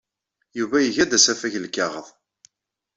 Yuba iga-d asafag n lkaɣeḍ.